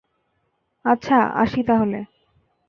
আচ্ছা, আসি তাহলে।